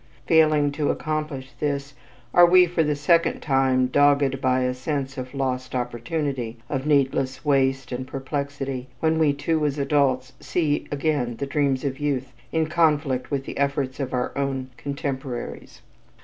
Failing to accomplish this are we, for the second time, dogged by a sense of lost opportunity, of needless waste and perplexity, when we too, as adults, see again the dreams of youth in conflict with the efforts of our own contemporaries?